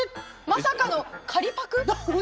まさかの借りパク？